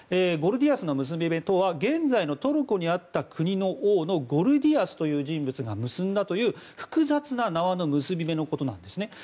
ゴルディアスの結び目とは現在のトルコにあった国の王のゴルディアスという人物が結んだという複雑な縄の結び目のことなんです